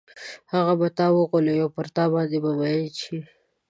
هغه به تا وغولوي او پر تا باندې به مئین شي.